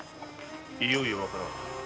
いよいよわからぬ。